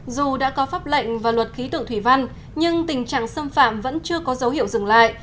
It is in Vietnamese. dù đã có pháp lệnh và luật khí tượng thủy văn nhưng tình trạng xâm phạm vẫn chưa có dấu hiệu dừng lại